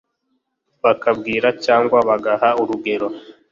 bakabwira cyangwa bagaha urugero